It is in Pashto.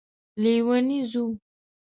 لیونی ځو